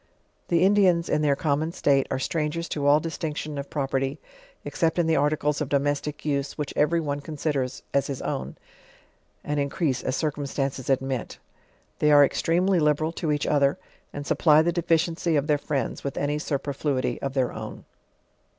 The Indians, in their common state, arc strangers to all distinction of property, except in the articles of domestic use, which every one considers as his own, and increase as circumstances admit. They are extremely liberal to each other and eupplv the deficiency of their friends with any su perfluity of tl.eir own.